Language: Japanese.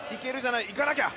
いかなきゃ！